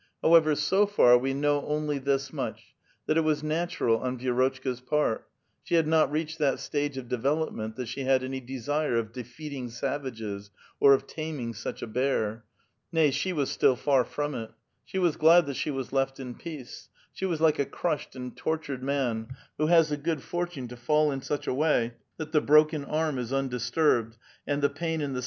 How ever, bo far, wo know only this much : that it was natural on ^'ic•roU•llka'H piirt ; she had not reached that stage of develop ment that shii had any disire of *' defeating savages," or of '* taming such a bear "; nay, she was still far from it; she was ghui that siie was left in peace ; she was like a crushed ' and tortured man, who has the good fortune to fall in such a ' way that the broken arm is undisturbed and the pain in the